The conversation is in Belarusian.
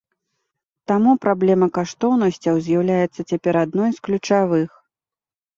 Таму праблема каштоўнасцяў з'яўляецца цяпер адной з ключавых.